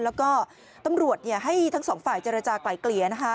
แล้วก็ตำรวจให้ทั้งสองฝ่ายเจรจาไปเกลีย